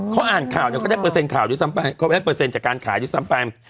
เขาอ่านข่าวเนี่ยเขาได้เปอร์เซ็นข่าวด้วยซ้ำไปเขาได้เปอร์เซ็นต์จากการขายด้วยซ้ำไป